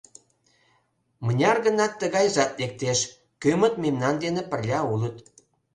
Мыняр гынат тыгайжат лектеш, кӧмыт мемнан дене пырля улыт.